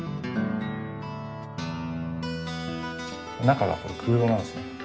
中がこれ空洞なんですね。